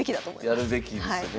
やるべきですよね。